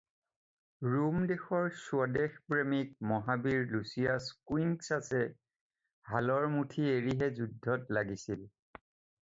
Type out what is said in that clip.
Rome দেশৰ স্বদেশ প্ৰেমিক Mahavir Lucia's কুইঙ্কচাচে হালৰ মুঠি এৰিহে যুদ্ধত লাগিছিল।